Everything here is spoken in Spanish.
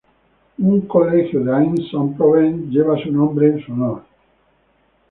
Un colegio de Aix-en-Provence lleva su nombre en su honor.